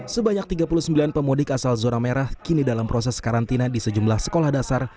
sebanyak tiga puluh sembilan pemudik asal zona merah kini dalam proses karantina di sejumlah sekolah dasar